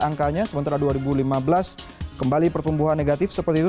angkanya sementara dua ribu lima belas kembali pertumbuhan negatif seperti itu